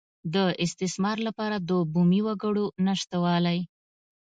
د استثمار لپاره د بومي وګړو نشتوالی.